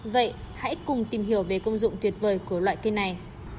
vậy hãy cùng tìm hiểu về công dụng tuyệt vời của loại cây này